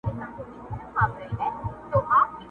نه مي ویني نه مي اوري له افغانه یمه ستړی!!!!!